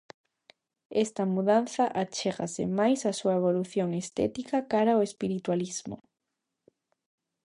Esta mudanza achégase máis á súa evolución estética cara ao espiritualismo.